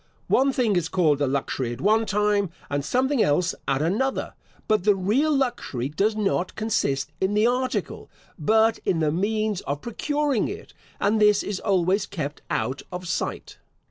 One thing is called a luxury at one time, and something else at another; but the real luxury does not consist in the article, but in the means of procuring it, and this is always kept out of sight.